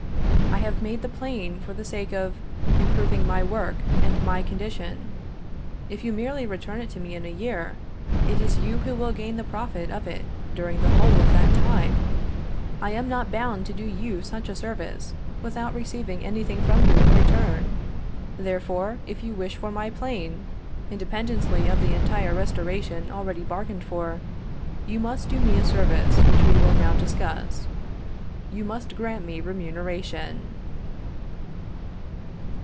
I have made the plane for the sake of improving my work and my condition; if you merely return it to me in a year, it is you who will gain the profit of it during the whole of that time. I am not bound to do you such a service without receiving anything from you in return; therefore, if you wish for my plane, independently of the entire restoration already bargained for, you must do me a service which we will now discuss; you must grant me remuneration.